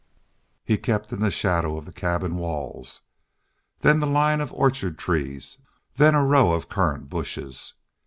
He kept in the shadow of the cabin walls, then the line of orchard trees, then a row of currant bushes.